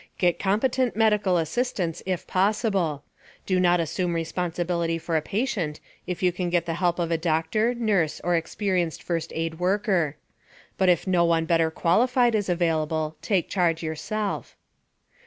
Get competent medical assistance, if possible. Do not assume responsibility for a patient if you can get the help of a doctor, nurse, or experienced first aid worker. But if no one better qualified is available, take charge yourself.